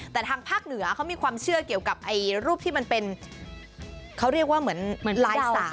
แต่ทางภาคเหนือเขามีความเชื่อเกี่ยวกับรูปที่มันเป็นเขาเรียกว่าเหมือนลายสาย